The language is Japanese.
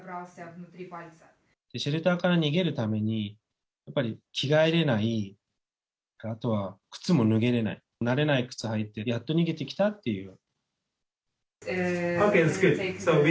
シェルターから逃げるために、やっぱり着替えれない、あとは靴も脱げれない、慣れない靴履いて、やっと逃げてきたっていう。